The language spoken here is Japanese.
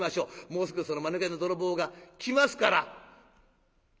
もうすぐそのマヌケな泥棒が来ますから」。